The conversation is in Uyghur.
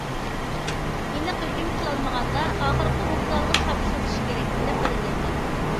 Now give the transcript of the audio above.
ئېنىق ھۆكۈم قىلالمىغاندا، ئاخىرقى ۋوگزالغا تاپشۇرۇشى كېرەك دەپ بەلگىلەنگەن.